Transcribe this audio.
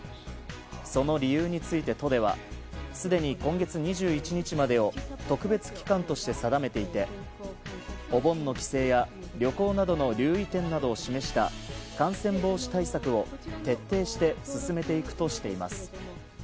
その理由について、都ではすでに今月２１日までを特別期間として定めていてお盆の帰省や旅行などの留意点などを示した感染防止対策を徹底して進めていくとしています。